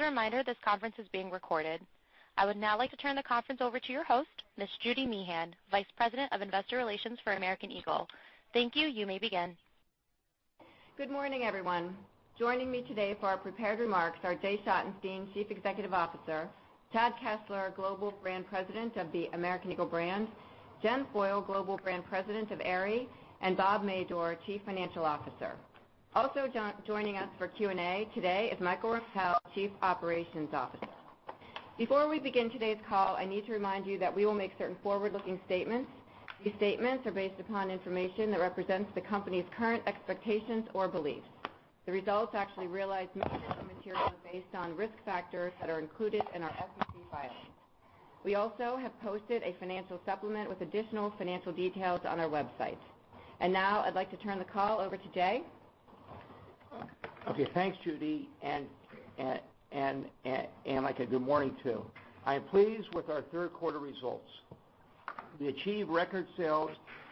As a reminder, this conference is being recorded. I would now like to turn the conference over to your host, Ms. Judy Meehan, Vice President of Investor Relations for American Eagle. Thank you. You may begin. Good morning, everyone. Joining me today for our prepared remarks are Jay Schottenstein, Chief Executive Officer, Chad Kessler, Global Brand President of the American Eagle brand, Jen Foyle, Global Brand President of Aerie, and Bob Madore, Chief Financial Officer. Also joining us for Q&A today is Michael Rempell, Chief Operations Officer. Before we begin today's call, I need to remind you that we will make certain forward-looking statements. These statements are based upon information that represents the company's current expectations or beliefs. The results actually realized may differ materially based on risk factors that are included in our SEC filings. We also have posted a financial supplement with additional financial details on our website. Now I'd like to turn the call over to Jay. Okay. Thanks, Judy, and Michael, good morning, too. I am pleased with our third quarter results. We achieved record sales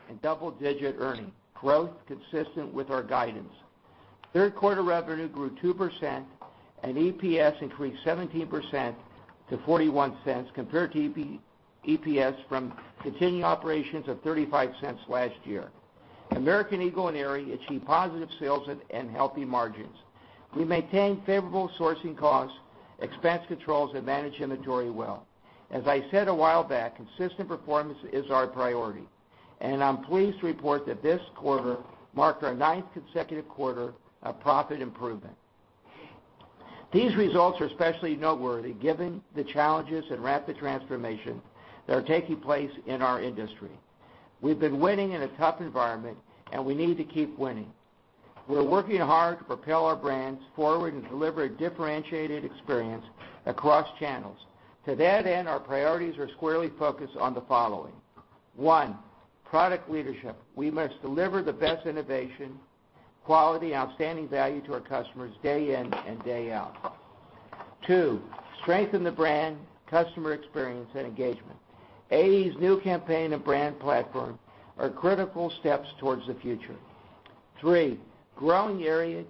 and double-digit earning growth consistent with our guidance. Third quarter revenue grew 2% and EPS increased 17% to $0.41 compared to EPS from continuing operations of $0.35 last year. American Eagle and Aerie achieved positive sales and healthy margins. We maintained favorable sourcing costs, expense controls, and managed inventory well. As I said a while back, consistent performance is our priority, and I'm pleased to report that this quarter marked our ninth consecutive quarter of profit improvement. These results are especially noteworthy given the challenges and rapid transformation that are taking place in our industry. We've been winning in a tough environment, and we need to keep winning. We're working hard to propel our brands forward and deliver a differentiated experience across channels. To that end, our priorities are squarely focused on the following. One, product leadership. We must deliver the best innovation, quality, and outstanding value to our customers day in and day out. Two, strengthen the brand, customer experience, and engagement. AE's new campaign and brand platform are critical steps towards the future. Three, growing Aerie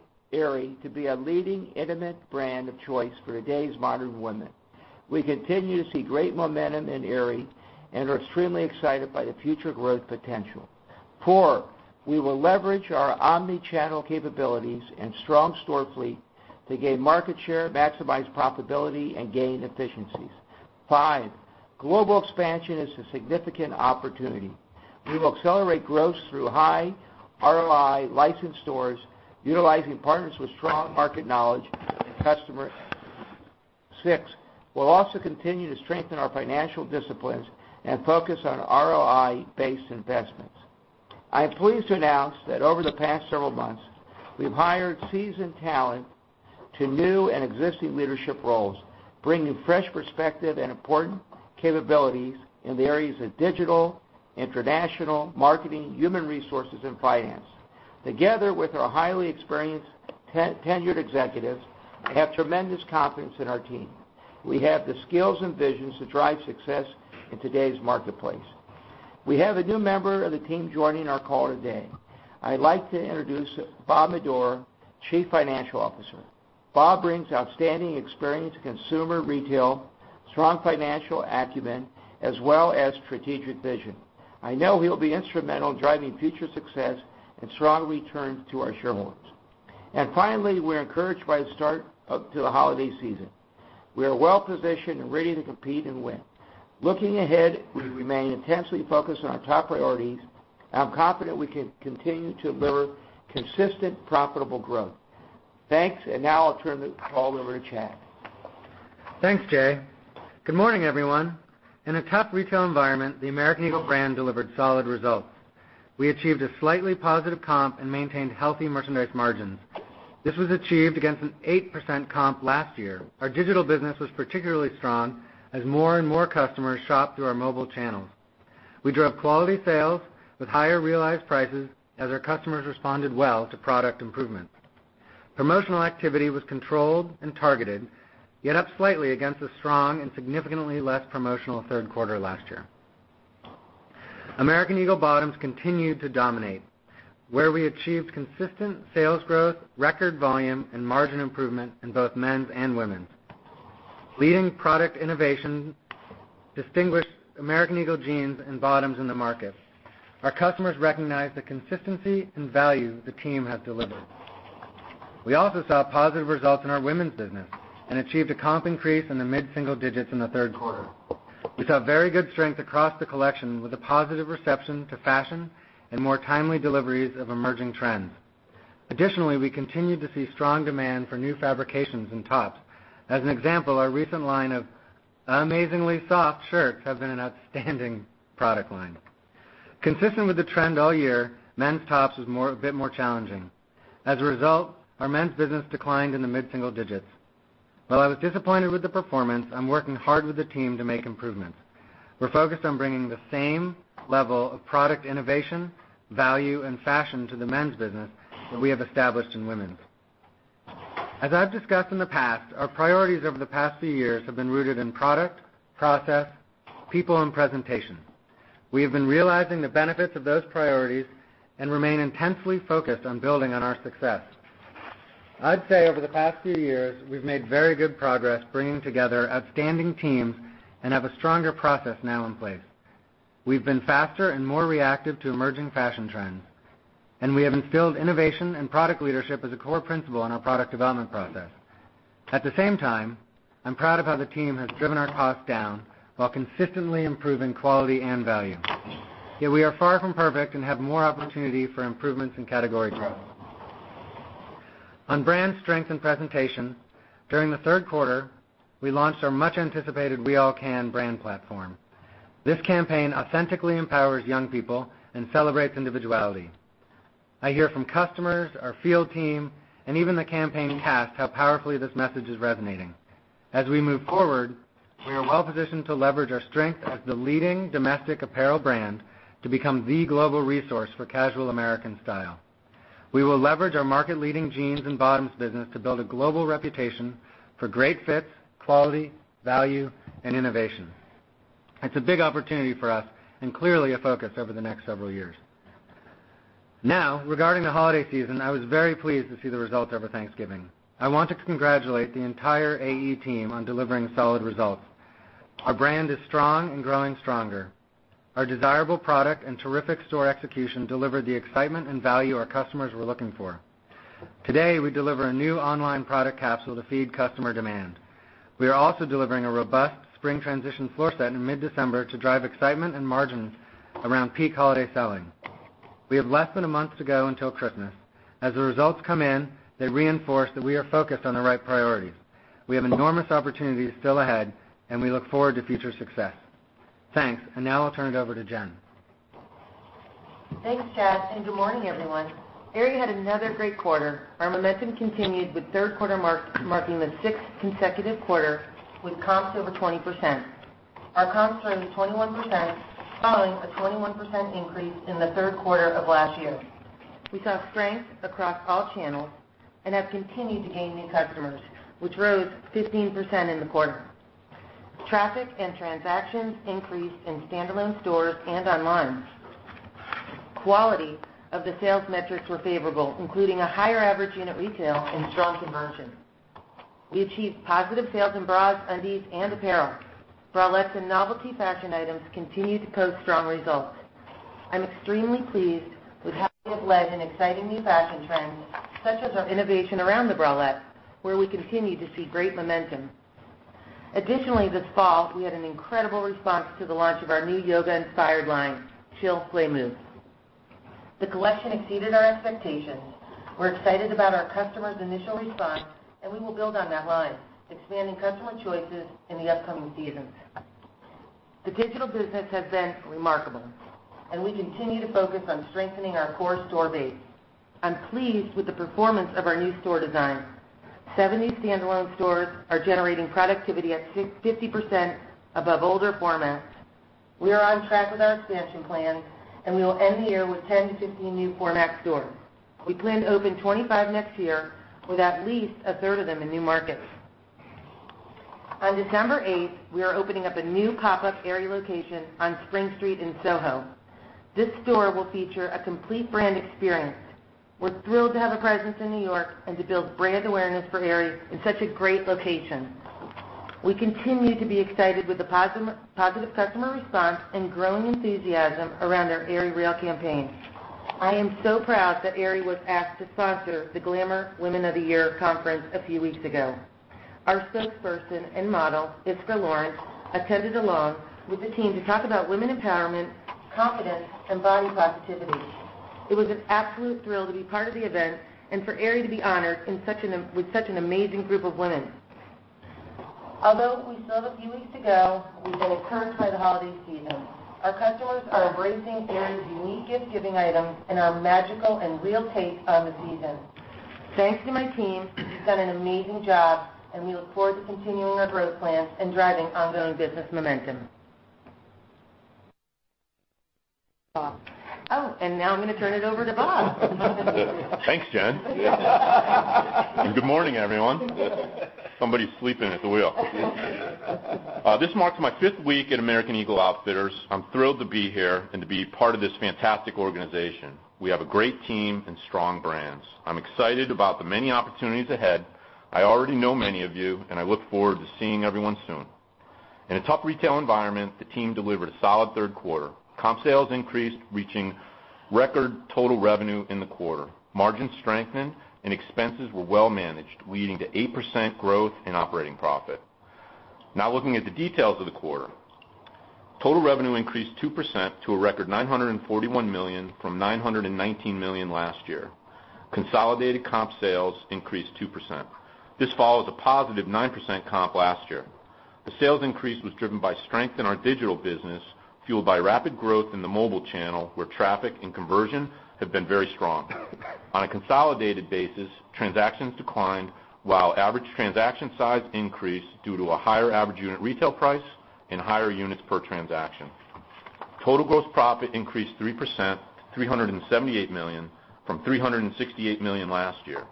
to be a leading intimate brand of choice for today's modern women. We continue to see great momentum in Aerie and are extremely excited by the future growth potential. Four, we will leverage our omni-channel capabilities and strong store fleet to gain market share, maximize profitability, and gain efficiencies. Five, global expansion is a significant opportunity. We will accelerate growth through high ROI licensed stores utilizing partners with strong market knowledge and customer. Six, we'll also continue to strengthen our financial disciplines and focus on ROI-based investments. I am pleased to announce that over the past several months, we've hired seasoned talent to new and existing leadership roles, bringing fresh perspective and important capabilities in the areas of digital, international, marketing, human resources, and finance. Together with our highly experienced tenured executives, I have tremendous confidence in our team. We have the skills and visions to drive success in today's marketplace. We have a new member of the team joining our call today. I'd like to introduce Bob Madore, Chief Financial Officer. Bob brings outstanding experience in consumer retail, strong financial acumen, as well as strategic vision. I know he'll be instrumental in driving future success and strong returns to our shareholders. Finally, we're encouraged by the start of the holiday season. We are well-positioned and ready to compete and win. Looking ahead, we remain intensely focused on our top priorities, and I'm confident we can continue to deliver consistent, profitable growth. Thanks. Now I'll turn the call over to Chad. Thanks, Jay. Good morning, everyone. In a tough retail environment, the American Eagle brand delivered solid results. We achieved a slightly positive comp and maintained healthy merchandise margins. This was achieved against an 8% comp last year. Our digital business was particularly strong as more and more customers shopped through our mobile channels. We drove quality sales with higher realized prices as our customers responded well to product improvements. Promotional activity was controlled and targeted, yet up slightly against a strong and significantly less promotional third quarter last year. American Eagle bottoms continued to dominate, where we achieved consistent sales growth, record volume, and margin improvement in both men's and women's. Leading product innovation distinguished American Eagle jeans and bottoms in the market. Our customers recognize the consistency and value the team has delivered. We also saw positive results in our women's business and achieved a comp increase in the mid-single digits in the third quarter. We saw very good strength across the collection with a positive reception to fashion and more timely deliveries of emerging trends. Additionally, we continued to see strong demand for new fabrications in tops. As an example, our recent line of Amazingly Soft shirts has been an outstanding product line. Consistent with the trend all year, men's tops was a bit more challenging. As a result, our men's business declined in the mid-single digits. While I was disappointed with the performance, I'm working hard with the team to make improvements. We're focused on bringing the same level of product innovation, value, and fashion to the men's business that we have established in women's. As I've discussed in the past, our priorities over the past few years have been rooted in product, process, people, and presentation. We have been realizing the benefits of those priorities and remain intensely focused on building on our success. I'd say over the past few years, we've made very good progress bringing together outstanding teams and have a stronger process now in place. We've been faster and more reactive to emerging fashion trends, and we have instilled innovation and product leadership as a core principle in our product development process. At the same time, I'm proud of how the team has driven our costs down while consistently improving quality and value. Yet we are far from perfect and have more opportunity for improvements in category growth. On brand strength and presentation, during the third quarter, we launched our much-anticipated #WeAllCan brand platform. This campaign authentically empowers young people and celebrates individuality. I hear from customers, our field team, and even the campaign cast, how powerfully this message is resonating. As we move forward, we are well-positioned to leverage our strength as the leading domestic apparel brand to become the global resource for casual American style. We will leverage our market-leading jeans and bottoms business to build a global reputation for great fits, quality, value, and innovation. It's a big opportunity for us and clearly a focus over the next several years. Regarding the holiday season, I was very pleased to see the results over Thanksgiving. I want to congratulate the entire AE team on delivering solid results. Our brand is strong and growing stronger. Our desirable product and terrific store execution delivered the excitement and value our customers were looking for. Today, we deliver a new online product capsule to feed customer demand. We are also delivering a robust spring transition floor set in mid-December to drive excitement and margins around peak holiday selling. We have less than a month to go until Christmas. As the results come in, they reinforce that we are focused on the right priorities. We have enormous opportunities still ahead, and we look forward to future success. Thanks. Now I'll turn it over to Jen. Thanks, Chad. Good morning, everyone. Aerie had another great quarter. Our momentum continued with third-quarter marking the 6th consecutive quarter with comps over 20%. Our comps rose 21%, following a 21% increase in the third quarter of last year. We saw strength across all channels and have continued to gain new customers, which rose 15% in the quarter. Traffic and transactions increased in standalone stores and online. Quality of the sales metrics were favorable, including a higher average unit retail and strong conversion. We achieved positive sales in bras, undies and apparel. Bralettes and novelty fashion items continued to post strong results. I'm extremely pleased with how we have led in exciting new fashion trends, such as our innovation around the bralette, where we continue to see great momentum. This fall, we had an incredible response to the launch of our new yoga-inspired line, Chill Play Move. The collection exceeded our expectations. We're excited about our customers' initial response, and we will build on that line, expanding customer choices in the upcoming seasons. The digital business has been remarkable, and we continue to focus on strengthening our core store base. I'm pleased with the performance of our new store design. Seven new standalone stores are generating productivity at 50% above older formats. We are on track with our expansion plans, and we will end the year with 10-15 new format stores. We plan to open 25 next year with at least a third of them in new markets. On December 8th, we are opening up a new pop-up Aerie location on Spring Street in SoHo. This store will feature a complete brand experience. We're thrilled to have a presence in New York and to build brand awareness for Aerie in such a great location. We continue to be excited with the positive customer response and growing enthusiasm around our AerieREAL campaign. I am so proud that Aerie was asked to sponsor the Glamour Women of the Year conference a few weeks ago. Our spokesperson and model, Iskra Lawrence, attended along with the team to talk about women empowerment, confidence, and body positivity. It was an absolute thrill to be part of the event and for Aerie to be honored with such an amazing group of women. Although we still have a few weeks to go, we've been encouraged by the holiday season. Our customers are embracing Aerie's unique gift-giving items and our magical and real take on the season. Thanks to my team, who's done an amazing job, and we look forward to continuing our growth plans and driving ongoing business momentum. Now I'm going to turn it over to Bob. Thanks, Jen. Good morning, everyone. Somebody's sleeping at the wheel. This marks my fifth week at American Eagle Outfitters. I'm thrilled to be here and to be part of this fantastic organization. We have a great team and strong brands. I'm excited about the many opportunities ahead. I already know many of you, and I look forward to seeing everyone soon. In a tough retail environment, the team delivered a solid third quarter. Comp sales increased, reaching record total revenue in the quarter. Margins strengthened and expenses were well managed, leading to 8% growth in operating profit. Looking at the details of the quarter. Total revenue increased 2% to a record $941 million from $919 million last year. Consolidated comp sales increased 2%. This follows a positive 9% comp last year. The sales increase was driven by strength in our digital business, fueled by rapid growth in the mobile channel, where traffic and conversion have been very strong. On a consolidated basis, transactions declined while average transaction size increased due to a higher average unit retail price and higher units per transaction. Total gross profit increased 3%, $378 million from $368 million last year.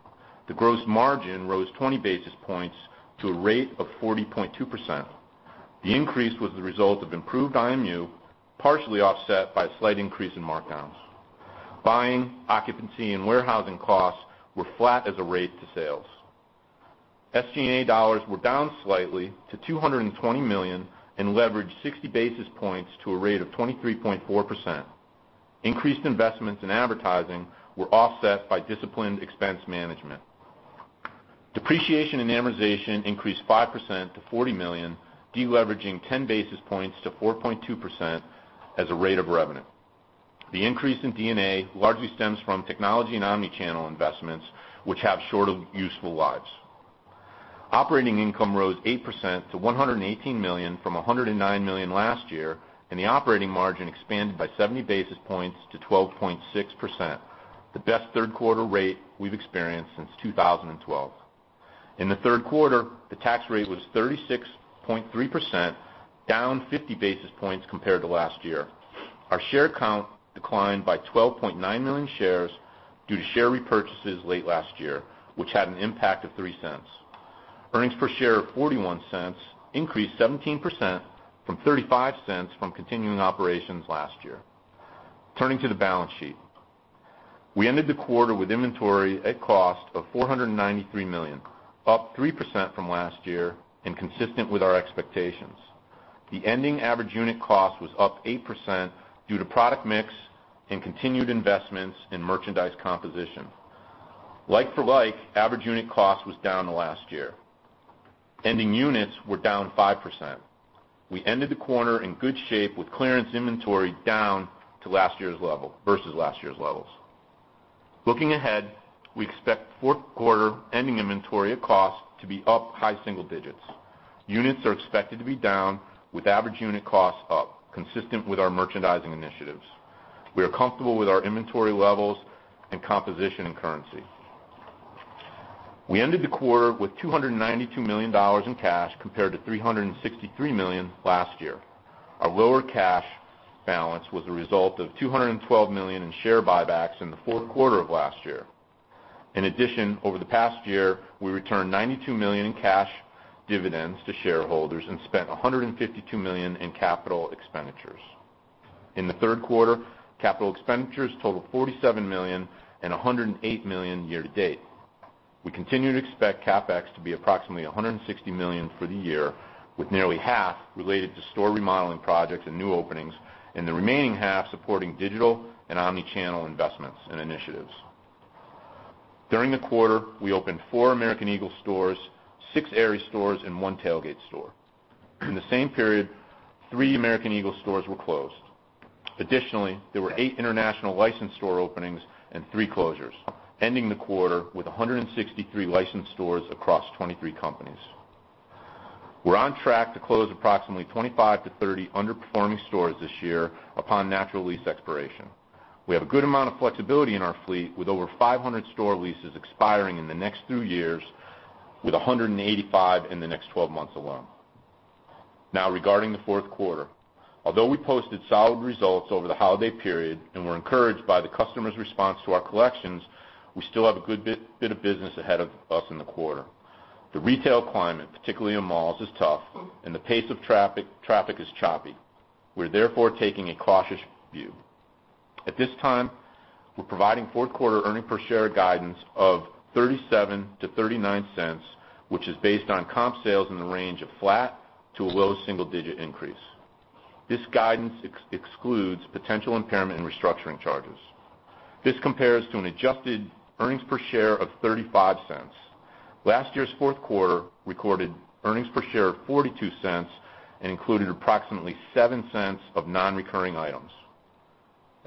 The gross margin rose 20 basis points to a rate of 40.2%. The increase was the result of improved IMU, partially offset by a slight increase in markdowns. Buying, occupancy, and warehousing costs were flat as a rate to sales. SG&A dollars were down slightly to $220 million and leveraged 60 basis points to a rate of 23.4%. Increased investments in advertising were offset by disciplined expense management. Depreciation and amortization increased 5% to $40 million, de-leveraging 10 basis points to 4.2% as a rate of revenue. The increase in D&A largely stems from technology and omni-channel investments, which have shorter useful lives. Operating income rose 8% to $118 million from $109 million last year, and the operating margin expanded by 70 basis points to 12.6%, the best third quarter rate we've experienced since 2012. In the third quarter, the tax rate was 36.3%, down 50 basis points compared to last year. Our share count declined by 12.9 million shares due to share repurchases late last year, which had an impact of $0.03. Earnings per share of $0.41 increased 17% from $0.35 from continuing operations last year. Turning to the balance sheet. We ended the quarter with inventory at cost of $493 million, up 3% from last year and consistent with our expectations. The ending average unit cost was up 8% due to product mix and continued investments in merchandise composition. Like-for-like, average unit cost was down to last year. Ending units were down 5%. We ended the quarter in good shape with clearance inventory down to last year's level versus last year's levels. Looking ahead, we expect fourth quarter ending inventory of cost to be up high single digits. Units are expected to be down with average unit costs up, consistent with our merchandising initiatives. We are comfortable with our inventory levels and composition and currency. We ended the quarter with $292 million in cash compared to $363 million last year. Our lower cash balance was a result of $212 million in share buybacks in the fourth quarter of last year. In addition, over the past year, we returned $92 million in cash dividends to shareholders and spent $152 million in capital expenditures. In the third quarter, capital expenditures total $47 million and $108 million year to date. We continue to expect CapEx to be approximately $160 million for the year, with nearly half related to store remodeling projects and new openings, and the remaining half supporting digital and omni-channel investments and initiatives. During the quarter, we opened four American Eagle stores, six Aerie stores, and one Tailgate store. In the same period, three American Eagle stores were closed. Additionally, there were eight international licensed store openings and three closures, ending the quarter with 163 licensed stores across 23 companies. We're on track to close approximately 25-30 underperforming stores this year upon natural lease expiration. We have a good amount of flexibility in our fleet with over 500 store leases expiring in the next two years, with 185 in the next 12 months alone. Now, regarding the fourth quarter. Although we posted solid results over the holiday period and we're encouraged by the customer's response to our collections, we still have a good bit of business ahead of us in the quarter. The retail climate, particularly in malls, is tough, and the pace of traffic is choppy. We're therefore taking a cautious view. At this time, we're providing fourth quarter earnings per share guidance of $0.37-$0.39, which is based on comp sales in the range of flat to a low single-digit increase. This guidance excludes potential impairment and restructuring charges. This compares to an adjusted earnings per share of $0.35. Last year's fourth quarter recorded earnings per share of $0.42 and included approximately $0.07 of non-recurring items.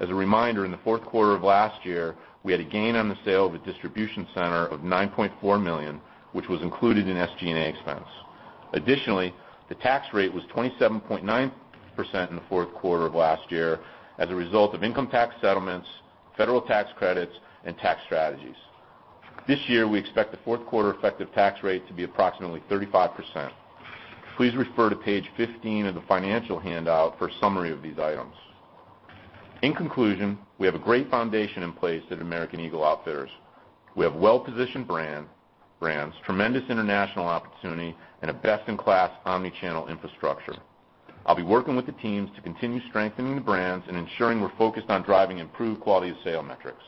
As a reminder, in the fourth quarter of last year, we had a gain on the sale of a distribution center of $9.4 million, which was included in SG&A expense. Additionally, the tax rate was 27.9% in the fourth quarter of last year as a result of income tax settlements, federal tax credits, and tax strategies. This year, we expect the fourth quarter effective tax rate to be approximately 35%. Please refer to page 15 of the financial handout for a summary of these items. In conclusion, we have a great foundation in place at American Eagle Outfitters. We have well-positioned brands, tremendous international opportunity, and a best-in-class omni-channel infrastructure. I'll be working with the teams to continue strengthening the brands and ensuring we're focused on driving improved quality of sale metrics.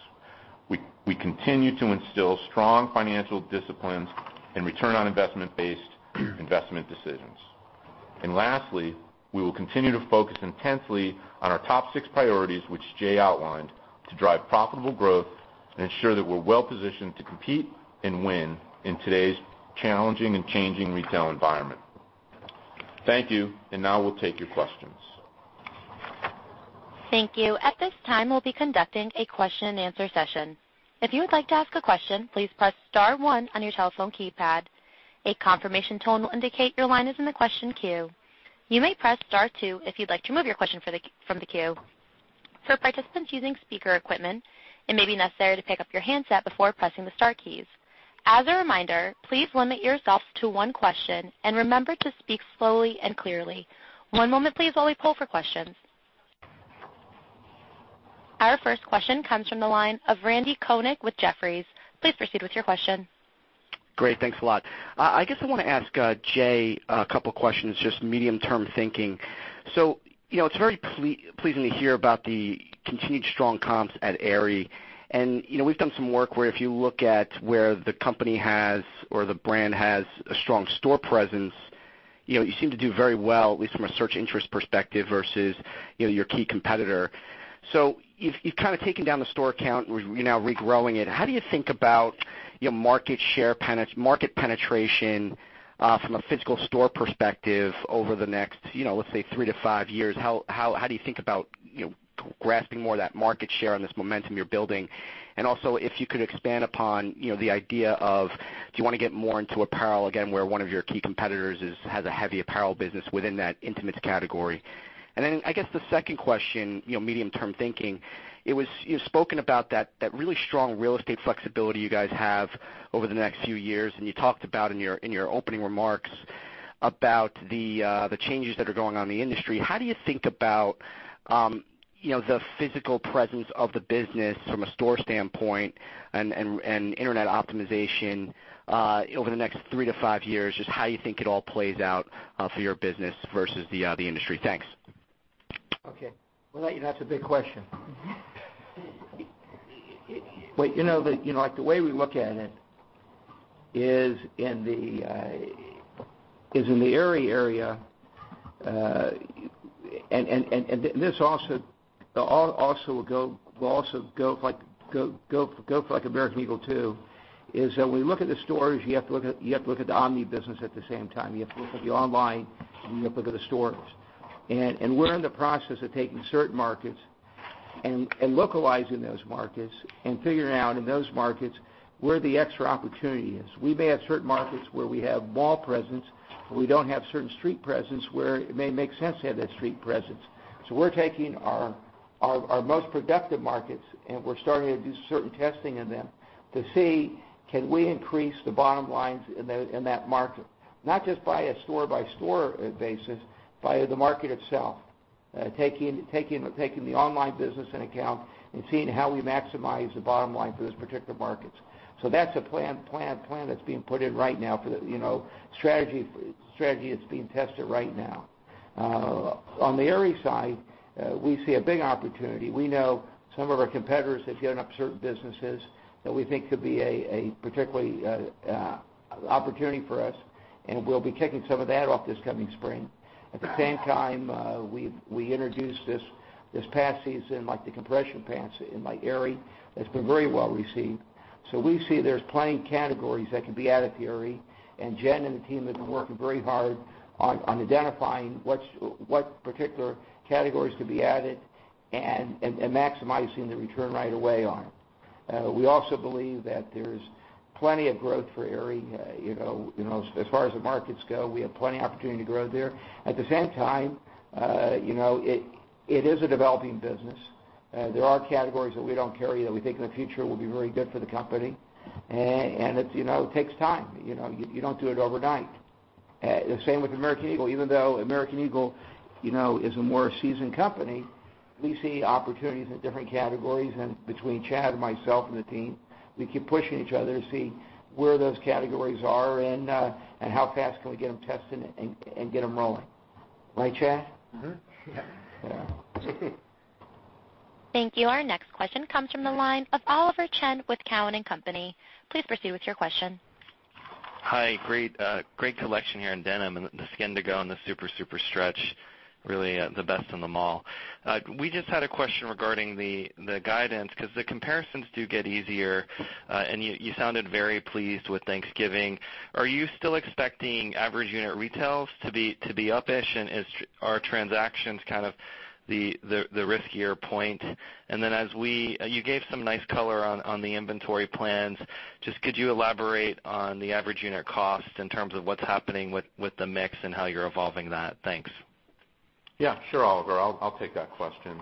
We continue to instill strong financial disciplines and return on investment based investment decisions. Lastly, we will continue to focus intensely on our top six priorities, which Jay outlined, to drive profitable growth and ensure that we're well-positioned to compete and win in today's challenging and changing retail environment. Thank you. Now we'll take your questions. Thank you. At this time, we'll be conducting a question and answer session. If you would like to ask a question, please press star one on your telephone keypad. A confirmation tone will indicate your line is in the question queue. You may press star two if you'd like to remove your question from the queue. For participants using speaker equipment, it may be necessary to pick up your handset before pressing the star keys. As a reminder, please limit yourself to one question and remember to speak slowly and clearly. One moment, please, while we poll for questions. Our first question comes from the line of Randy Konik with Jefferies. Please proceed with your question. Great. Thanks a lot. I guess I want to ask Jay a couple of questions, just medium-term thinking. It's very pleasing to hear about the continued strong comps at Aerie. We've done some work where if you look at where the company has or the brand has a strong store presence, you seem to do very well, at least from a search interest perspective versus your key competitor. You've kind of taken down the store count, you're now regrowing it. How do you think about your market penetration from a physical store perspective over the next, let's say, three to five years? How do you think about grasping more of that market share and this momentum you're building? Also, if you could expand upon the idea of, do you want to get more into apparel again, where one of your key competitors has a heavy apparel business within that intimates category. Then I guess the second question, medium-term thinking, you've spoken about that really strong real estate flexibility you guys have over the next few years, and you talked about in your opening remarks about the changes that are going on in the industry. How do you think about the physical presence of the business from a store standpoint and internet optimization, over the next 3-5 years? Just how you think it all plays out for your business versus the industry. Thanks. Okay. Well, that's a big question. The way we look at it is in the Aerie area, and this will also go for American Eagle too, is that when you look at the stores, you have to look at the omni business at the same time. You have to look at the online, and you have to look at the stores. We're in the process of taking certain markets and localizing those markets and figuring out in those markets where the extra opportunity is. We may have certain markets where we have mall presence, but we don't have certain street presence where it may make sense to have that street presence. We're taking our most productive markets, and we're starting to do certain testing in them to see, can we increase the bottom lines in that market. Not just by a store-by-store basis, by the market itself. Taking the online business into account and seeing how we maximize the bottom line for those particular markets. That's a plan that's being put in right now for the strategy that's being tested right now. On the Aerie side, we see a big opportunity. We know some of our competitors have given up certain businesses that we think could be a particular opportunity for us, and we'll be kicking some of that off this coming spring. At the same time, we introduced this past season, like the compression pants in Aerie. That's been very well received. We see there's plenty of categories that could be added to Aerie, and Jen and the team have been working very hard on identifying what particular categories could be added and maximizing the return right away on it. We also believe that there's plenty of growth for Aerie. As far as the markets go, we have plenty opportunity to grow there. At the same time, it is a developing business. There are categories that we don't carry that we think in the future will be very good for the company, and it takes time. You don't do it overnight. The same with American Eagle. Even though American Eagle is a more seasoned company, we see opportunities in different categories, and between Chad, myself, and the team, we keep pushing each other to see where those categories are and how fast can we get them tested and get them rolling. Right, Chad? Mm-hmm. Yeah. Yeah. Thank you. Our next question comes from the line of Oliver Chen with Cowen and Company. Please proceed with your question. Hi, great collection here in denim and the indigo and the super stretch, really the best in the mall. We just had a question regarding the guidance because the comparisons do get easier, and you sounded very pleased with Thanksgiving. Are you still expecting average unit retails to be up-ish, and are transactions kind of the riskier point? Could you elaborate on the average unit cost in terms of what's happening with the mix and how you're evolving that? Thanks. Yeah, sure, Oliver. I'll take that question.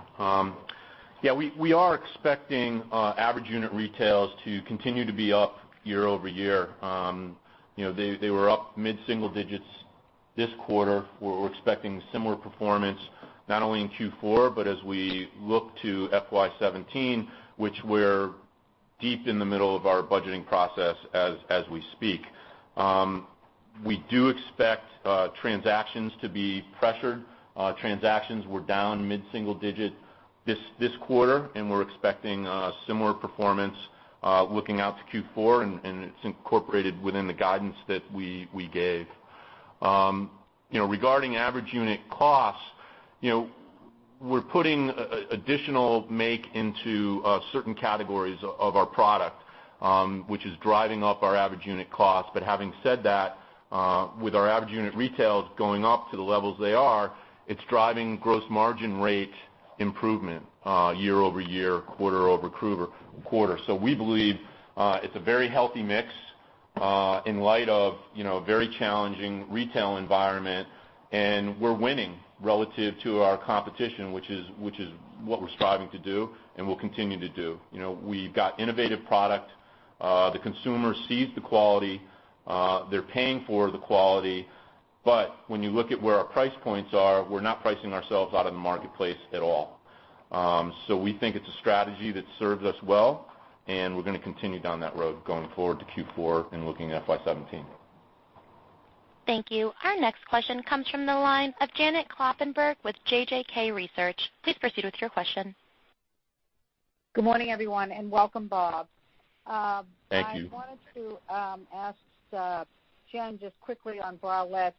We are expecting average unit retails to continue to be up year-over-year. They were up mid-single digits this quarter. We're expecting similar performance, not only in Q4, but as we look to FY 2017, which we're deep in the middle of our budgeting process as we speak. We do expect transactions to be pressured. Transactions were down mid-single digit this quarter, and we're expecting a similar performance looking out to Q4. It's incorporated within the guidance that we gave. Regarding average unit costs, we're putting additional make into certain categories of our product, which is driving up our average unit cost. Having said that, with our average unit retails going up to the levels they are, it's driving gross margin rate improvement year-over-year, quarter-over-quarter. We believe it's a very healthy mix in light of a very challenging retail environment, and we're winning relative to our competition, which is what we're striving to do and will continue to do. We've got innovative product. The consumer sees the quality. They're paying for the quality. When you look at where our price points are, we're not pricing ourselves out of the marketplace at all. We think it's a strategy that serves us well, and we're going to continue down that road going forward to Q4 and looking at FY 2017. Thank you. Our next question comes from the line of Janet Kloppenburg with JJK Research. Please proceed with your question. Good morning, everyone, and welcome, Bob. Thank you. I wanted to ask Jen just quickly on bralettes.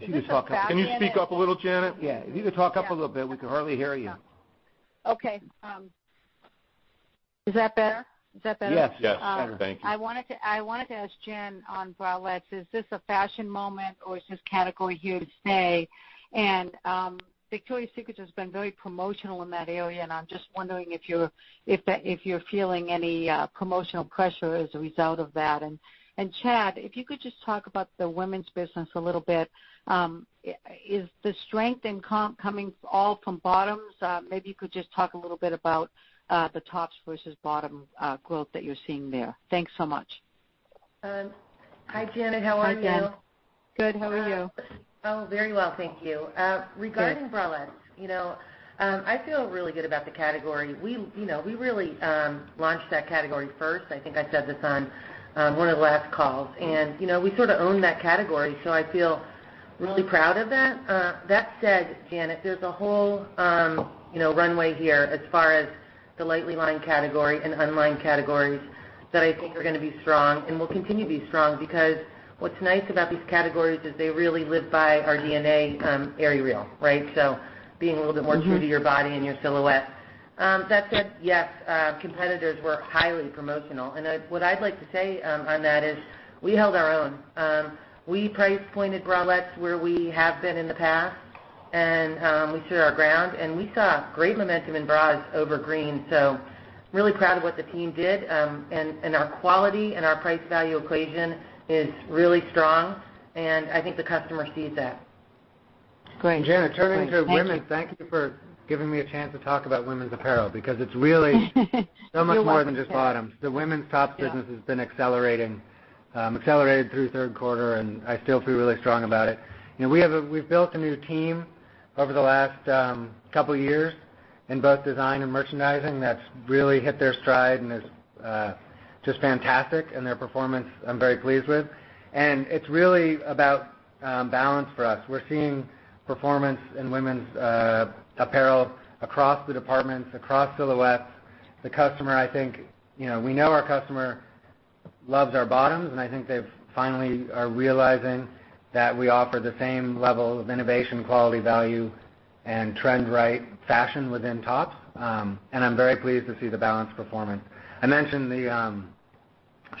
Is this a fashion- Can you speak up a little, Janet? Yeah, if you could talk up a little bit, we can hardly hear you. Okay. Is that better? Yes. Yes. Thank you. I wanted to ask Jen on bralettes, is this a fashion moment, or is this category here to stay? Victoria's Secret has been very promotional in that area, and I'm just wondering if you're feeling any promotional pressure as a result of that. Chad, if you could just talk about the women's business a little bit. Is the strength in comp coming all from bottoms? Maybe you could just talk a little bit about the tops versus bottom growth that you're seeing there. Thanks so much. Hi, Janet. How are you? Hi, Jen. Good. How are you? Oh, very well, thank you. Good. Regarding bralettes, I feel really good about the category. We really launched that category first. I think I said this on one of the last calls. We sort of own that category, so I feel really proud of that. That said, Janet, there's a whole runway here as far as the lightly lined category and unlined categories that I think are going to be strong and will continue to be strong because what's nice about these categories is they really live by our DNA, AerieREAL, right? Being a little bit more true to your body and your silhouette. That said, yes, competitors were highly promotional, and what I'd like to say on that is we held our own. We price-pointed bralettes where we have been in the past, and we stood our ground, and we saw great momentum in bras overall, so really proud of what the team did. Our quality and our price-value equation is really strong, and I think the customer sees that. Great. Janet, turning to women. Thank you for giving me a chance to talk about women's apparel because it's really so much more than just bottoms. You're welcome, Chad. The women's tops business has been accelerating. Accelerated through third quarter, I still feel really strong about it. We've built a new team over the last couple of years in both design and merchandising that's really hit their stride and is just fantastic, and their performance I'm very pleased with. It's really about balance for us. We're seeing performance in women's apparel across the departments, across silhouettes. We know our customer loves our bottoms, and I think they finally are realizing that we offer the same level of innovation, quality, value, and trend-right fashion within tops, and I'm very pleased to see the balanced performance. I mentioned the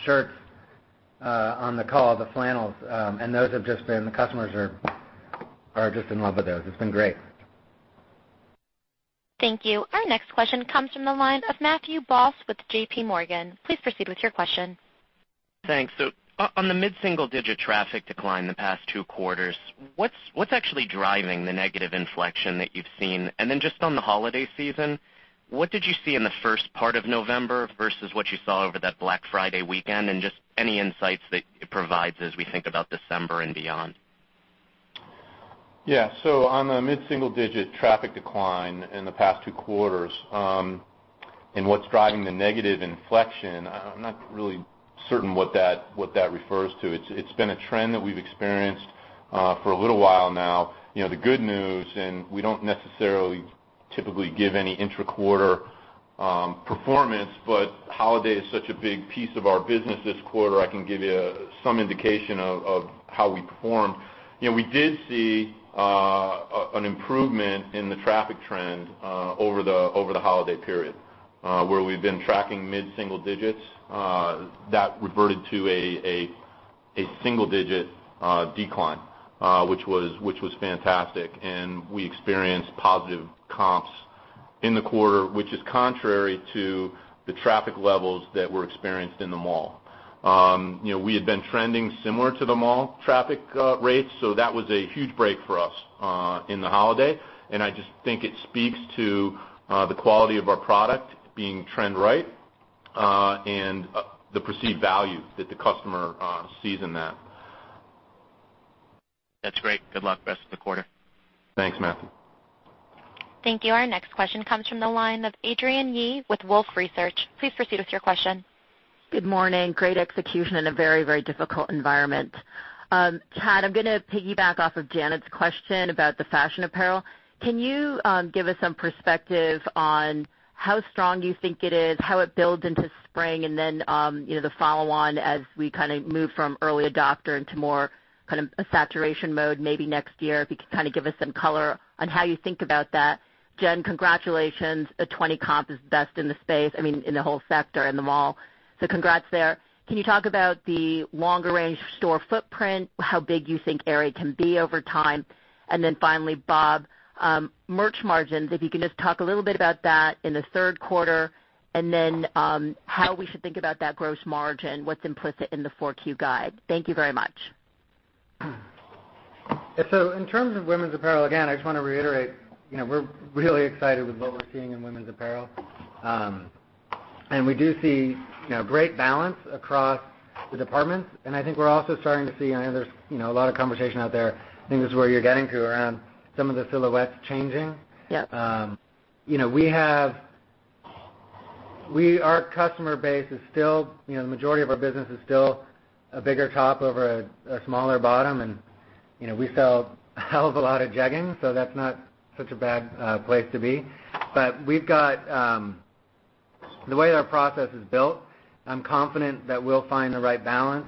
shirts on the call, the flannels, and the customers are just in love with those. It's been great. Thank you. Our next question comes from the line of Matthew Boss with JPMorgan. Please proceed with your question. Thanks. On the mid-single-digit traffic decline the past two quarters, what's actually driving the negative inflection that you've seen? Then just on the holiday season, what did you see in the first part of November versus what you saw over that Black Friday weekend, and just any insights that it provides as we think about December and beyond? Yeah. On the mid-single-digit traffic decline in the past two quarters, and what's driving the negative inflection, I'm not really certain what that refers to. It's been a trend that we've experienced for a little while now. The good news, we don't necessarily typically give any intra-quarter performance, holiday is such a big piece of our business this quarter, I can give you some indication of how we performed. We did see an improvement in the traffic trend over the holiday period. Where we've been tracking mid-single digits, that reverted to a single-digit decline, which was fantastic. We experienced positive comps in the quarter, which is contrary to the traffic levels that were experienced in the mall. We had been trending similar to the mall traffic rates, that was a huge break for us in the holiday, I just think it speaks to the quality of our product being trend right and the perceived value that the customer sees in that. That's great. Good luck rest of the quarter. Thanks, Matthew. Thank you. Our next question comes from the line of Adrienne Yih with Wolfe Research. Please proceed with your question. Good morning. Great execution in a very difficult environment. Chad, I'm going to piggyback off of Janet's question about the fashion apparel. Can you give us some perspective on how strong you think it is, how it builds into spring, and then the follow on as we move from early adopter into more of a saturation mode, maybe next year? If you could give us some color on how you think about that. Jen, congratulations. A 20% comp is best in the space, I mean, in the whole sector, in the mall. Congrats there. Can you talk about the longer-range store footprint, how big you think Aerie can be over time? And then finally, Bob, merch margins, if you can just talk a little bit about that in the third quarter, and then how we should think about that gross margin, what's implicit in the 4Q guide. Thank you very much. In terms of women's apparel, again, I just want to reiterate, we're really excited with what we're seeing in women's apparel. We do see great balance across the departments. I think we're also starting to see, I know there's a lot of conversation out there, I think this is where you're getting to, around some of the silhouettes changing. Yep. The majority of our business is still a bigger top over a smaller bottom, and we sell a hell of a lot of jeggings, that's not such a bad place to be. The way our process is built, I'm confident that we'll find the right balance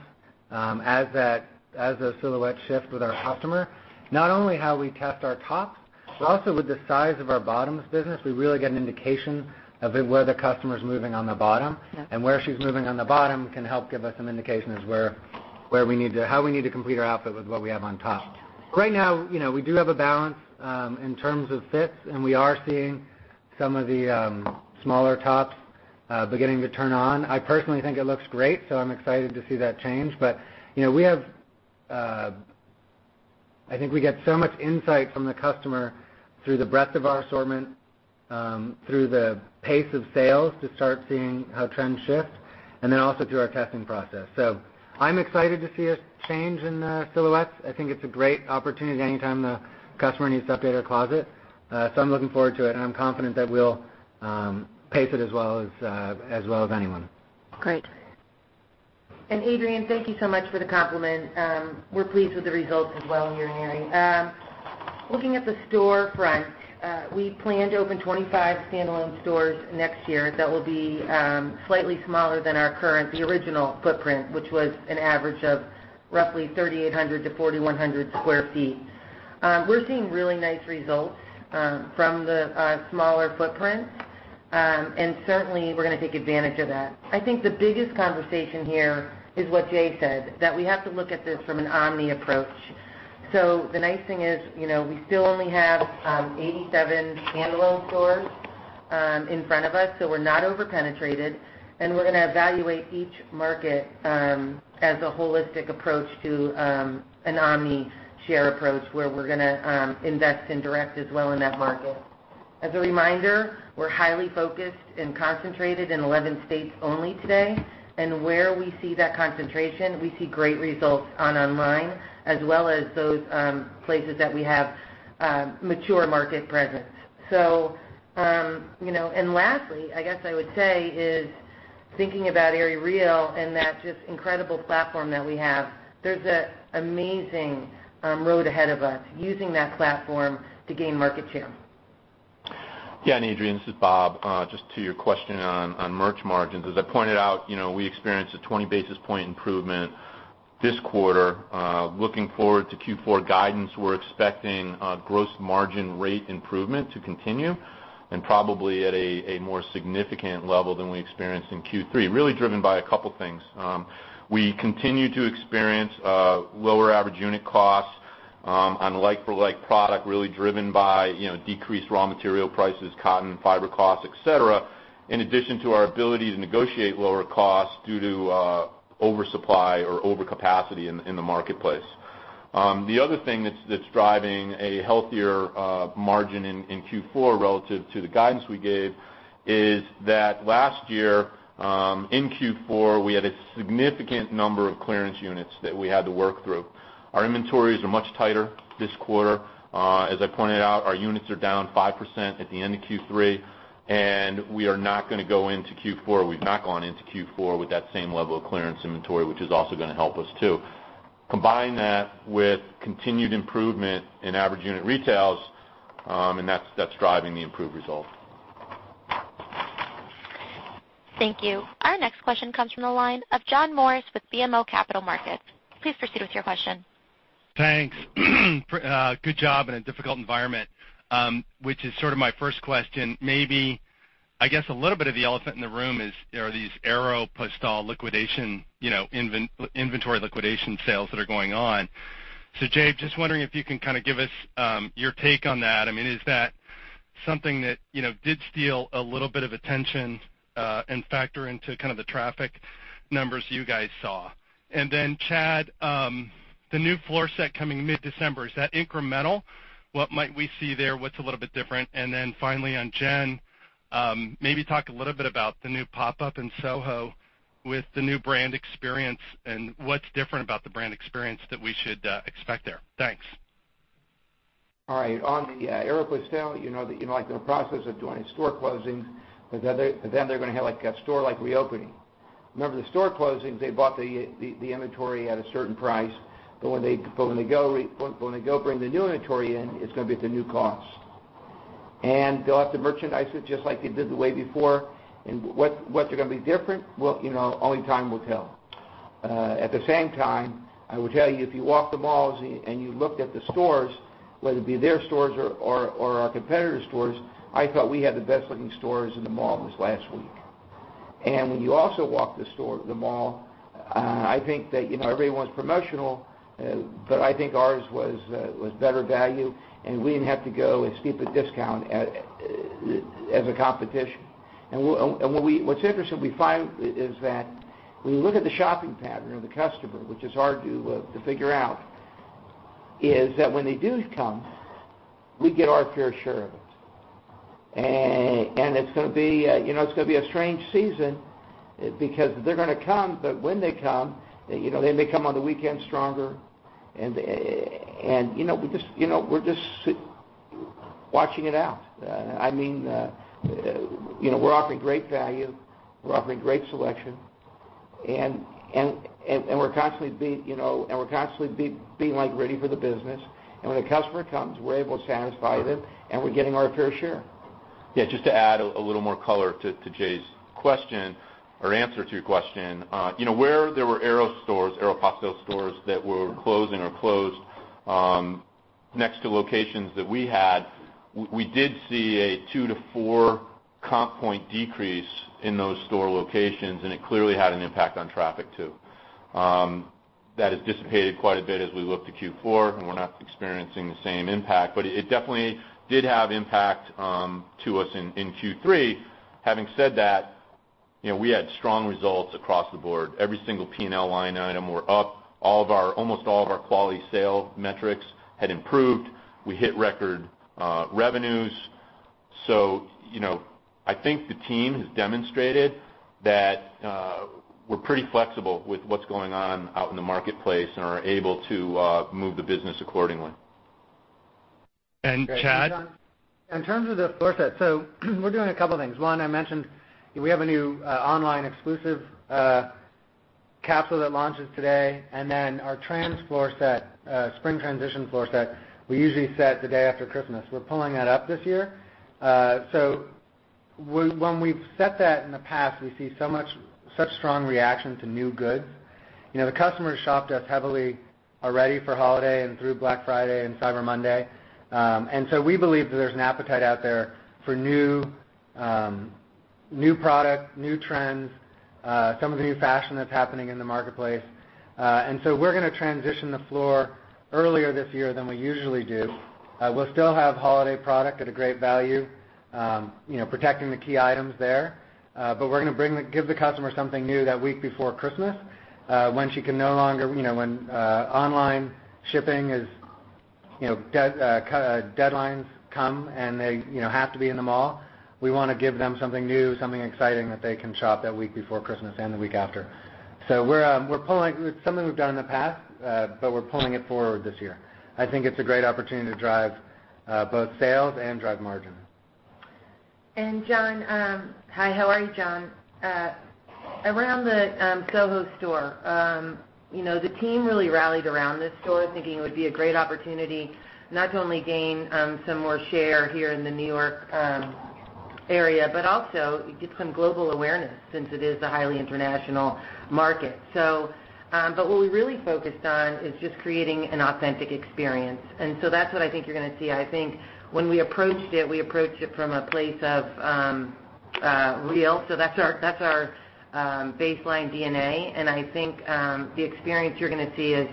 as those silhouettes shift with our customer. Not only how we test our tops, but also with the size of our bottoms business, we really get an indication of where the customer's moving on the bottom. Yep. Where she's moving on the bottom can help give us some indications how we need to complete her outfit with what we have on top. Right now, we do have a balance in terms of fits, and we are seeing some of the smaller tops beginning to turn on. I personally think it looks great, I'm excited to see that change. I think we get so much insight from the customer through the breadth of our assortment, through the pace of sales to start seeing how trends shift, and then also through our testing process. I'm excited to see a change in the silhouettes. I think it's a great opportunity anytime the customer needs to update her closet. I'm looking forward to it, and I'm confident that we'll pace it as well as anyone. Great. Adrienne, thank you so much for the compliment. We're pleased with the results as well here in Aerie. Looking at the store front, we plan to open 25 standalone stores next year that will be slightly smaller than our current, the original footprint, which was an average of roughly 3,800 to 4,100 square feet. We're seeing really nice results from the smaller footprint. Certainly, we're going to take advantage of that. I think the biggest conversation here is what Jay said, that we have to look at this from an omni approach. The nice thing is we still only have 87 standalone stores in front of us, we're not over-penetrated, and we're going to evaluate each market as a holistic approach to an omni share approach, where we're going to invest in direct as well in that market. As a reminder, we're highly focused and concentrated in 11 states only today. Where we see that concentration, we see great results on online, as well as those places that we have mature market presence. Lastly, I guess I would say is thinking about AerieREAL and that just incredible platform that we have. There's an amazing road ahead of us using that platform to gain market share. Yeah. Adrienne, this is Bob. Just to your question on merch margins. As I pointed out, we experienced a 20-basis point improvement this quarter. Looking forward to Q4 guidance, we're expecting gross margin rate improvement to continue and probably at a more significant level than we experienced in Q3, really driven by a couple things. We continue to experience lower average unit costs on like-for-like product, really driven by decreased raw material prices, cotton, fiber costs, et cetera, in addition to our ability to negotiate lower costs due to oversupply or overcapacity in the marketplace. The other thing that's driving a healthier margin in Q4 relative to the guidance we gave is that last year, in Q4, we had a significant number of clearance units that we had to work through. Our inventories are much tighter this quarter. As I pointed out, our units are down 5% at the end of Q3. We are not going to go into Q4, or we've not gone into Q4 with that same level of clearance inventory, which is also going to help us too. Combine that with continued improvement in average unit retails, that's driving the improved results. Thank you. Our next question comes from the line of John Morris with BMO Capital Markets. Please proceed with your question. Thanks. Good job in a difficult environment, which is sort of my first question. Maybe, I guess, a little bit of the elephant in the room is there are these Aeropostale inventory liquidation sales that are going on. Jay, just wondering if you can kind of give us your take on that. Is that something that did steal a little bit of attention and factor into the traffic numbers you guys saw? Chad, the new floor set coming mid-December, is that incremental? What might we see there? What's a little bit different? Finally on Jen, maybe talk a little bit about the new pop-up in SoHo with the new brand experience, and what's different about the brand experience that we should expect there? Thanks. All right. On the Aeropostale, you know that they're in the process of doing store closings, they're going to have a store reopening. Remember, the store closings, they bought the inventory at a certain price, they go bring the new inventory in, it's going to be at the new cost. They'll have to merchandise it just like they did the way before. What's going to be different? Well, only time will tell. At the same time, I will tell you, if you walk the malls and you looked at the stores, whether it be their stores or our competitor stores, I thought we had the best looking stores in the malls last week. When you also walk the mall, I think that everyone's promotional, but I think ours was better value and we didn't have to go as steep a discount as a competition. What's interesting we find is that when you look at the shopping pattern of the customer, which is hard to figure out is that when they do come, we get our fair share of it. It's going to be a strange season because they're going to come, when they come, they may come on the weekend stronger. We're just watching it out. We're offering great value, we're offering great selection, and we're constantly being ready for the business. When a customer comes, we're able to satisfy them, and we're getting our fair share. Yeah, just to add a little more color to Jay's question or answer to your question. Where there were Aeropostale stores that were closing or closed next to locations that we had, we did see a 2 to 4 comp point decrease in those store locations, and it clearly had an impact on traffic too. That has dissipated quite a bit as we look to Q4, and we're not experiencing the same impact, but it definitely did have impact to us in Q3. Having said that, we had strong results across the board. Every single P&L line item were up. Almost all of our quality sale metrics had improved. We hit record revenues. I think the team has demonstrated that we're pretty flexible with what's going on out in the marketplace and are able to move the business accordingly. Chad? In terms of the floor set, we're doing a couple things. One, I mentioned we have a new online exclusive capsule that launches today. Our spring transition floor set, we usually set the day after Christmas. We're pulling that up this year. When we've set that in the past, we see such strong reaction to new goods. The customers shopped us heavily already for holiday and through Black Friday and Cyber Monday. We believe that there's an appetite out there for new product, new trends, some of the new fashion that's happening in the marketplace. We're going to transition the floor earlier this year than we usually do. We'll still have holiday product at a great value, protecting the key items there. We're going to give the customer something new that week before Christmas, when online shipping deadlines come, and they have to be in the mall. We want to give them something new, something exciting that they can shop that week before Christmas and the week after. It's something we've done in the past, but we're pulling it forward this year. I think it's a great opportunity to drive both sales and drive margin. John, hi, how are you, John? Around the SoHo store. The team really rallied around this store, thinking it would be a great opportunity not to only gain some more share here in the New York area, but also get some global awareness since it is a highly international market. What we really focused on is just creating an authentic experience. That's what I think you're going to see. I think when we approached it, we approached it from a place of real. That's our baseline DNA, and I think the experience you're going to see is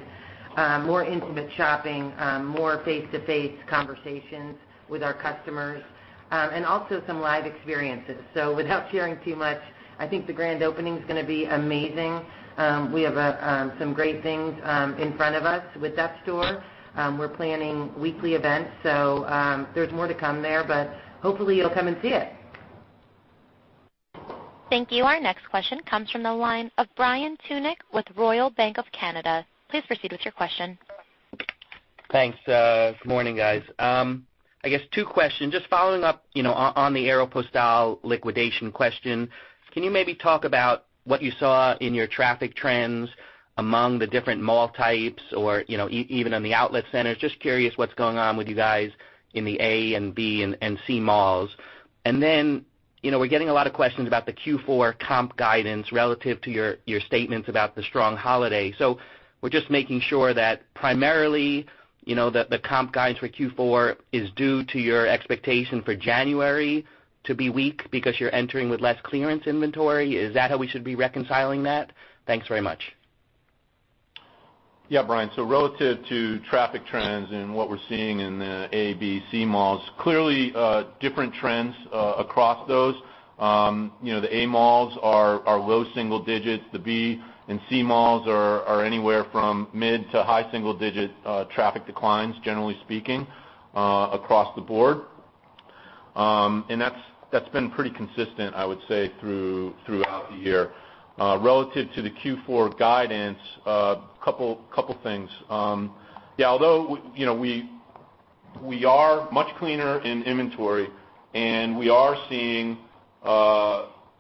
more intimate shopping, more face-to-face conversations with our customers, and also some live experiences. Without sharing too much, I think the grand opening's going to be amazing. We have some great things in front of us with that store. We're planning weekly events, so there's more to come there, but hopefully you'll come and see it. Thank you. Our next question comes from the line of Brian Tunick with Royal Bank of Canada. Please proceed with your question. Thanks. Good morning, guys. I guess two questions, just following up on the Aeropostale liquidation question. Can you maybe talk about what you saw in your traffic trends among the different mall types or even on the outlet centers? Just curious what's going on with you guys in the A and B and C malls. Then, we're getting a lot of questions about the Q4 comp guidance relative to your statements about the strong holiday. We're just making sure that primarily, that the comp guidance for Q4 is due to your expectation for January to be weak because you're entering with less clearance inventory. Is that how we should be reconciling that? Thanks very much. Yeah, Brian. Relative to traffic trends and what we're seeing in the A, B, C malls, clearly different trends across those. The A malls are low single digits. The B and C malls are anywhere from mid to high single-digit traffic declines, generally speaking, across the board. That's been pretty consistent, I would say, throughout the year. Relative to the Q4 guidance, a couple things. Although we are much cleaner in inventory, and we are seeing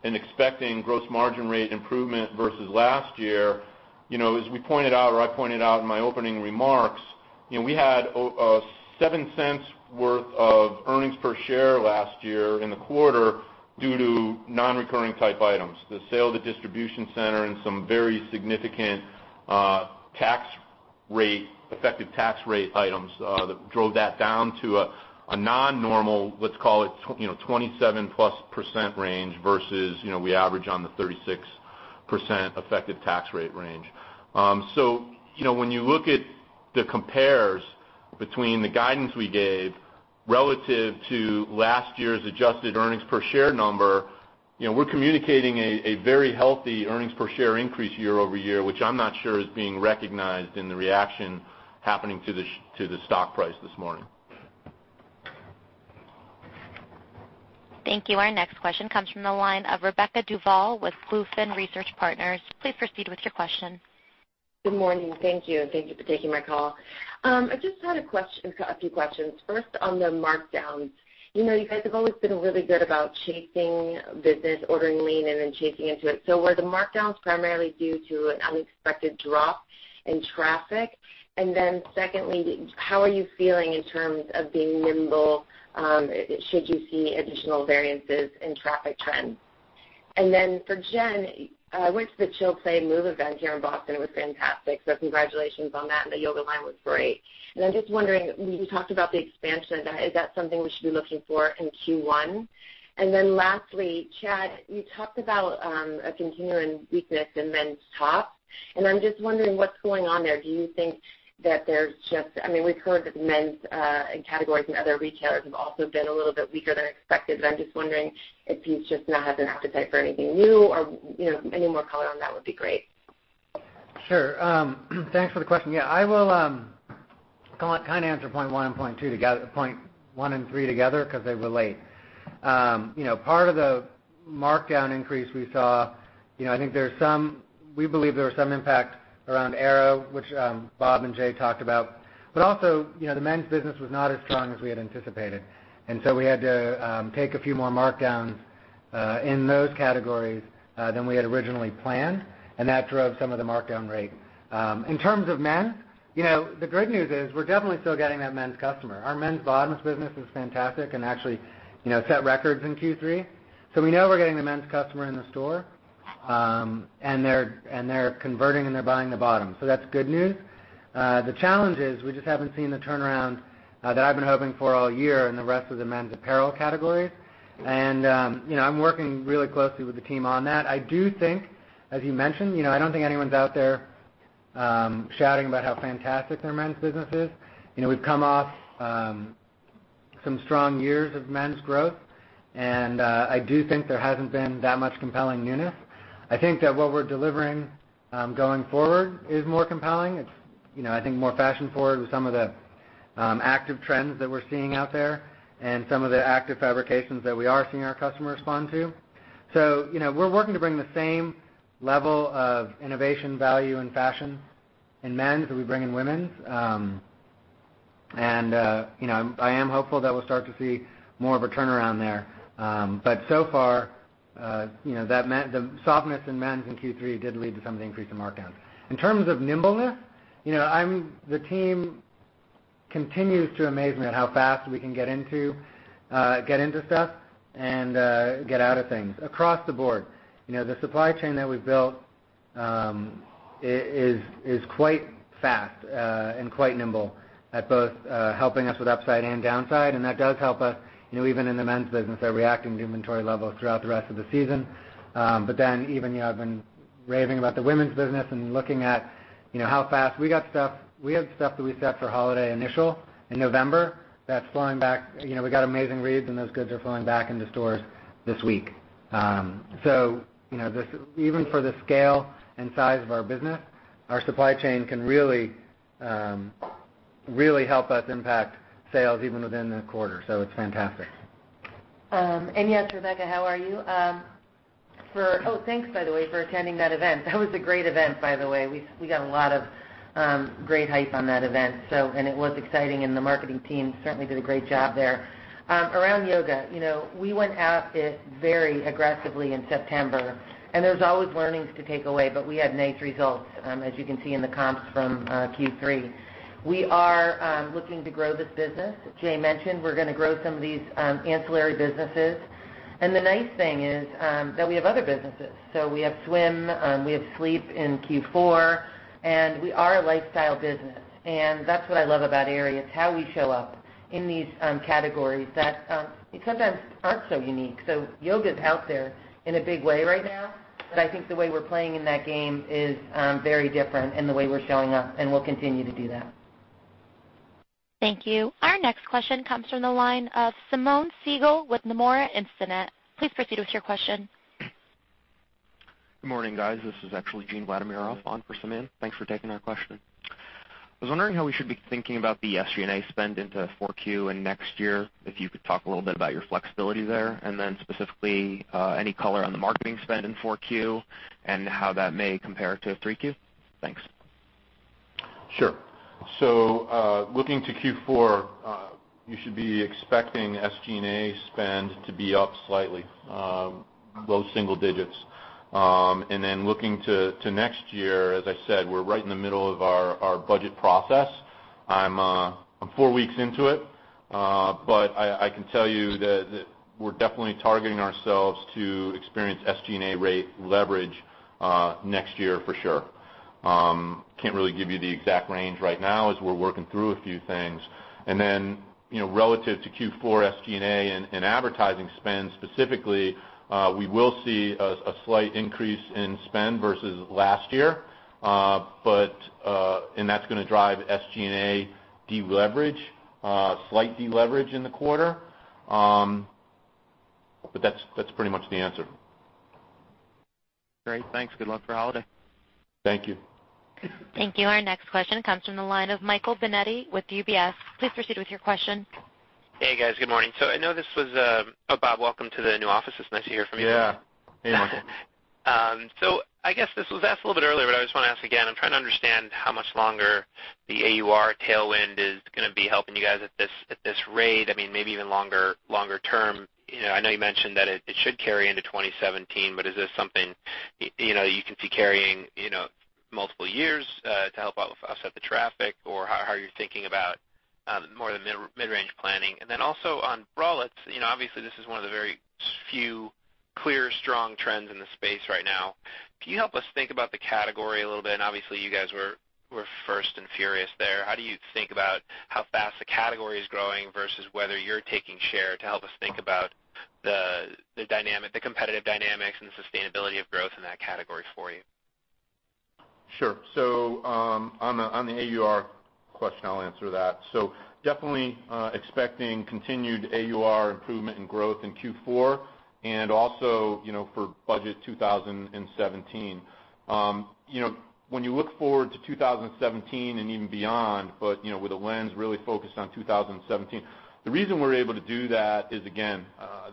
and expecting gross margin rate improvement versus last year, as we pointed out or I pointed out in my opening remarks, we had $0.07 worth of earnings per share last year in the quarter due to non-recurring type items. The sale of the distribution center and some very significant effective tax rate items that drove that down to a non-normal, let's call it, 27%+ range versus we average on the 36% effective tax rate range. When you look at the compares between the guidance we gave relative to last year's adjusted earnings per share number. We're communicating a very healthy earnings per share increase year-over-year, which I'm not sure is being recognized in the reaction happening to the stock price this morning. Thank you. Our next question comes from the line of Rebecca Duval with BlueFin Research Partners. Please proceed with your question. Good morning. Thank you, and thank you for taking my call. I just had a few questions. First, on the markdowns. You guys have always been really good about chasing business, ordering lean, and then chasing into it. Were the markdowns primarily due to an unexpected drop in traffic? Secondly, how are you feeling in terms of being nimble, should you see additional variances in traffic trends? For Jen, I went to the Chill Play Move event here in Boston. It was fantastic, congratulations on that. The yoga line was great. I'm just wondering, you talked about the expansion of that. Is that something we should be looking for in Q1? Lastly, Chad, you talked about a continuing weakness in men's tops, and I'm just wondering what's going on there. We've heard that men's categories in other retailers have also been a little bit weaker than expected. I'm just wondering if you just not have an appetite for anything new or any more color on that would be great. Sure. Thanks for the question. I will kind of answer point 1 and point 3 together because they relate. Part of the markdown increase we saw, we believe there was some impact around Aero, which Bob and Jay talked about. The men's business was not as strong as we had anticipated, we had to take a few more markdowns in those categories than we had originally planned, that drove some of the markdown rate. In terms of men, the good news is we're definitely still getting that men's customer. Our men's bottoms business is fantastic and actually set records in Q3. We know we're getting the men's customer in the store, and they're converting, and they're buying the bottoms. That's good news. The challenge is we just haven't seen the turnaround that I've been hoping for all year in the rest of the men's apparel categories. I'm working really closely with the team on that. I do think, as you mentioned, I don't think anyone's out there shouting about how fantastic their men's business is. We've come off some strong years of men's growth, I do think there hasn't been that much compelling newness. I think that what we're delivering going forward is more compelling. It's I think more fashion-forward with some of the active trends that we're seeing out there and some of the active fabrications that we are seeing our customers respond to. We're working to bring the same level of innovation, value, and fashion in men's that we bring in women's. I am hopeful that we'll start to see more of a turnaround there. The softness in men's in Q3 did lead to some of the increase in markdowns. In terms of nimbleness, the team continues to amaze me at how fast we can get into stuff and get out of things across the board. The supply chain that we've built is quite fast and quite nimble at both helping us with upside and downside, that does help us even in the men's business at reacting to inventory levels throughout the rest of the season. Even I've been raving about the women's business and looking at how fast we got stuff. We have stuff that we set for holiday initial in November that's flowing back. We got amazing reads, those goods are flowing back into stores this week. Even for the scale and size of our business, our supply chain can really help us impact sales even within the quarter. It's fantastic. Yes, Rebecca, how are you? Oh, thanks by the way, for attending that event. That was a great event, by the way. We got a lot of great hype on that event. It was exciting, and the marketing team certainly did a great job there. Around yoga, we went at it very aggressively in September. There's always learnings to take away, but we had nice results, as you can see in the comps from Q3. We are looking to grow this business. As Jay mentioned, we're going to grow some of these ancillary businesses. The nice thing is that we have other businesses. We have swim, we have sleep in Q4, and we are a lifestyle business. That's what I love about Aerie. It's how we show up in these categories that sometimes aren't so unique. Yoga's out there in a big way right now, but I think the way we're playing in that game is very different in the way we're showing up, and we'll continue to do that. Thank you. Our next question comes from the line of Simeon Siegel with Nomura Instinet. Please proceed with your question. Good morning, guys. This is actually Gene Vladimirov on for Simeon. Thanks for taking our question. I was wondering how we should be thinking about the SG&A spend into 4Q and next year, if you could talk a little bit about your flexibility there. Then specifically, any color on the marketing spend in 4Q and how that may compare to 3Q? Thanks. Sure. Looking to Q4, you should be expecting SG&A spend to be up slightly, low single digits. Looking to next year, as I said, we're right in the middle of our budget process. I'm four weeks into it. I can tell you that we're definitely targeting ourselves to experience SG&A rate leverage next year for sure. Can't really give you the exact range right now as we're working through a few things. Relative to Q4 SG&A and advertising spend specifically, we will see a slight increase in spend versus last year. That's going to drive SG&A deleverage, slight deleverage in the quarter. That's pretty much the answer. Great. Thanks. Good luck for holiday. Thank you. Thank you. Our next question comes from the line of Michael Binetti with UBS. Please proceed with your question. Hey, guys. Good morning. Bob, welcome to the new office. It's nice to hear from you. Yeah. Hey, Michael. I guess this was asked a little bit earlier, but I just want to ask again. I'm trying to understand how much longer the AUR tailwind is going to be helping you guys at this rate. Maybe even longer term. I know you mentioned that it should carry into 2017, but is this something you can see carrying multiple years to help out offset the traffic? How are you thinking about more the mid-range planning? Also on bralettes. Obviously, this is one of the very few clear, strong trends in the space right now. Can you help us think about the category a little bit? Obviously, you guys were first and furious there. How do you think about how fast the category is growing versus whether you're taking share to help us think about the competitive dynamics and the sustainability of growth in that category for you? Sure. On the AUR question, I'll answer that. Definitely expecting continued AUR improvement in growth in Q4 and also for budget 2017. When you look forward to 2017 and even beyond, but with a lens really focused on 2017, the reason we're able to do that is, again,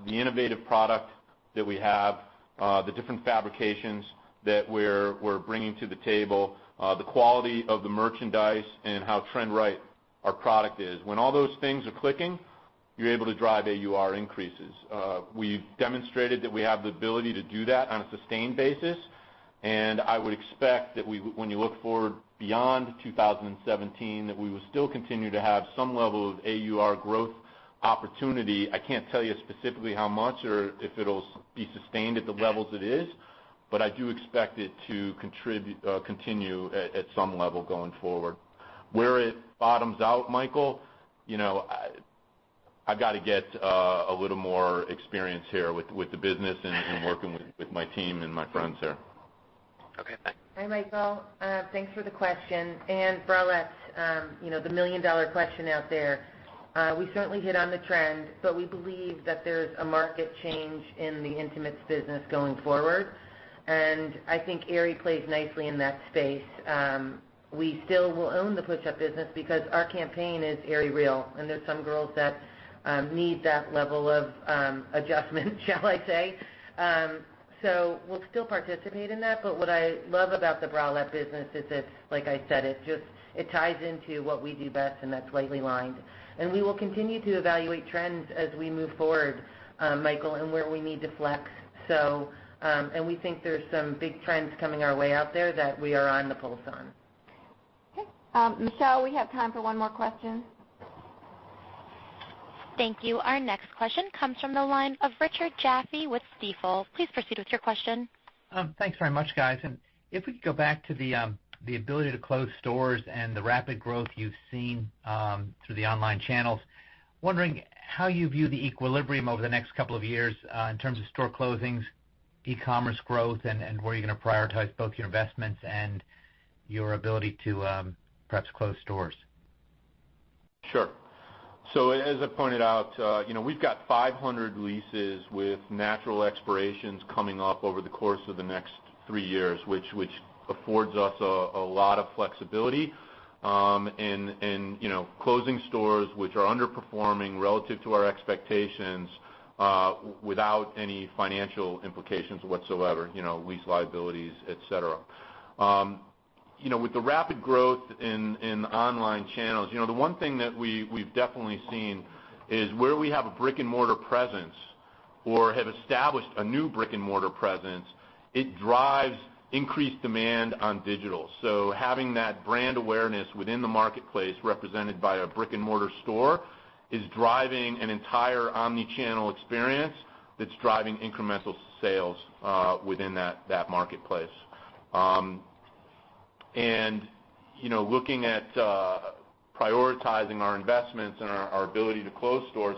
the innovative product that we have, the different fabrications that we're bringing to the table, the quality of the merchandise, and how trend-right our product is. When all those things are clicking, you're able to drive AUR increases. We've demonstrated that we have the ability to do that on a sustained basis, and I would expect that when you look forward beyond 2017, that we will still continue to have some level of AUR growth opportunity. I can't tell you specifically how much or if it'll be sustained at the levels it is, but I do expect it to continue at some level going forward. Where it bottoms out, Michael, I've got to get a little more experience here with the business and working with my team and my friends here. Okay, thanks. Hi, Michael. Thanks for the question. Bralettes, the million-dollar question out there. We certainly hit on the trend, but we believe that there's a market change in the intimates business going forward. I think Aerie plays nicely in that space. We still will own the push-up business because our campaign is AerieREAL, and there's some girls that need that level of adjustment, shall I say. We'll still participate in that, but what I love about the bralette business is that, like I said, it ties into what we do best, and that's lightly lined. We will continue to evaluate trends as we move forward, Michael, and where we need to flex. We think there's some big trends coming our way out there that we are on the pulse on. Okay. Michelle, we have time for one more question. Thank you. Our next question comes from the line of Richard Jaffe with Stifel. Please proceed with your question. Thanks very much, guys. If we could go back to the ability to close stores and the rapid growth you've seen through the online channels, wondering how you view the equilibrium over the next couple of years in terms of store closings, e-commerce growth, and where you're going to prioritize both your investments and your ability to perhaps close stores. Sure. As I pointed out, we've got 500 leases with natural expirations coming up over the course of the next three years, which affords us a lot of flexibility in closing stores which are underperforming relative to our expectations without any financial implications whatsoever, lease liabilities, et cetera. With the rapid growth in online channels, the one thing that we've definitely seen is where we have a brick-and-mortar presence or have established a new brick-and-mortar presence, it drives increased demand on digital. Having that brand awareness within the marketplace represented by a brick-and-mortar store is driving an entire omni-channel experience that's driving incremental sales within that marketplace. Looking at prioritizing our investments and our ability to close stores,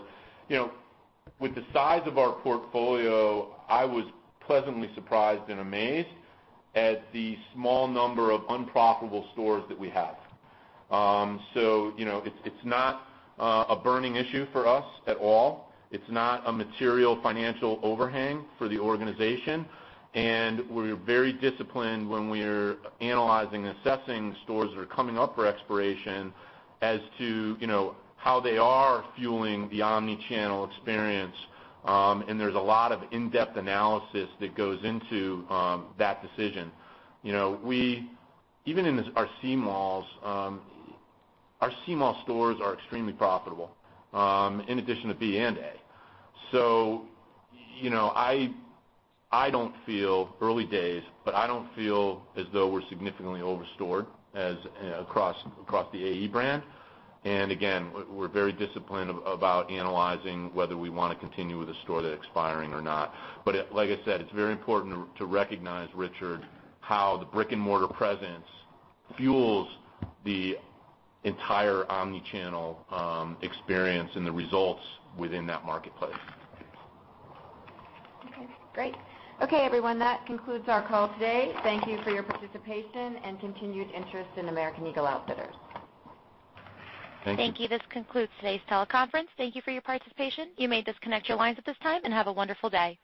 with the size of our portfolio, I was pleasantly surprised and amazed at the small number of unprofitable stores that we have. It's not a burning issue for us at all. It's not a material financial overhang for the organization. We're very disciplined when we're analyzing and assessing stores that are coming up for expiration as to how they are fueling the omni-channel experience. There's a lot of in-depth analysis that goes into that decision. Even in our C-malls, our C-mall stores are extremely profitable in addition to B and A. Early days, but I don't feel as though we're significantly over-stored across the AE brand. Again, we're very disciplined about analyzing whether we want to continue with a store that's expiring or not. Like I said, it's very important to recognize, Richard, how the brick-and-mortar presence fuels the entire omni-channel experience and the results within that marketplace. Okay, great. Okay, everyone, that concludes our call today. Thank you for your participation and continued interest in American Eagle Outfitters. Thank you. Thank you. This concludes today's teleconference. Thank you for your participation. You may disconnect your lines at this time, and have a wonderful day.